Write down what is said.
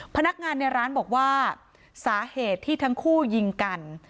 พนักงานในร้านบอกว่าสาเหตุที่ทั้งคู่ยิงกัน